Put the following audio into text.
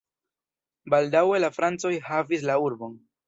Baldaŭe la francoj havis la urbon.